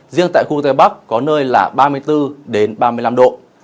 riêng tại khu tây bắc có nơi là ba mươi bốn ba mươi năm độ